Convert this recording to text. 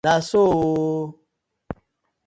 Na so ooo!